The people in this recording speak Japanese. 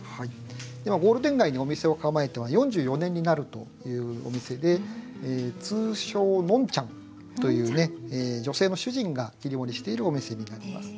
ゴールデン街にお店を構えて４４年になるというお店で通称「のんちゃん」というね女性の主人が切り盛りしているお店になります。